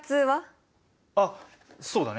あっそうだね。